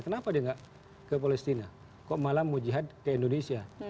kenapa dia nggak ke palestina kok malah mau jihad ke indonesia